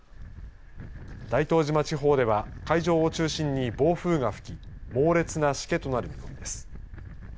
大東島地方では海上を中心に暴風が吹き猛烈なしけとなる見込みです。